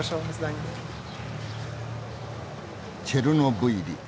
チェルノブイリ